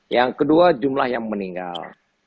yang kedua jumlah yang meninggal